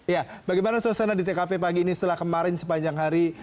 ya bagaimana suasana di tkp pagi ini setelah kemarin sepanjang hari